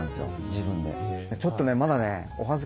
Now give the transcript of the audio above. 自分で。